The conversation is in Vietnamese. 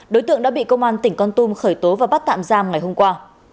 đối tượng đã bị công an tỉnh con tum khởi tố và bắt tạm giam ngày hôm qua